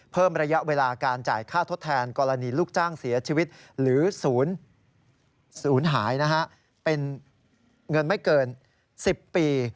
เพิ่มระยะเวลาการจ่ายค่าทดแทนกรณีลูกจ้างเสียชีวิตหรือศูนย์หายเป็นเงินไม่เกิน๑๐ปี